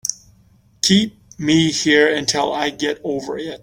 Keep me here until I get over it.